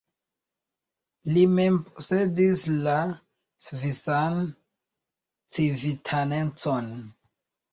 Li mem posedis la svisan civitanecon.